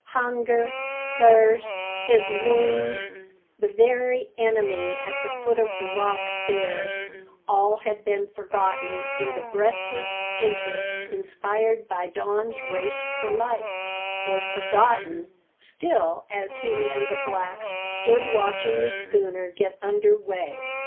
Hunger, thirst, his wound, the very enemy at the foot of the rock stairs all had been forgotten in the breathless interest inspired by Don's race for life; were forgotten still as he and the blacks stood watching the schooner get under weigh.